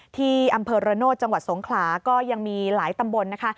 ที่อำเภอระโนธจังหวัดสงขลาก็ยังมีหลายตำบลนะคะ